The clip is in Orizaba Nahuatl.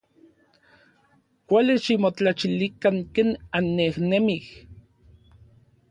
Kuali ximotlachilikan ken annejnemij.